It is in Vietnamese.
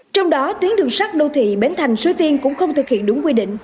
trong đó tuyến đường sắt đô thị bến thành suối tiên cũng không thực hiện đúng quy định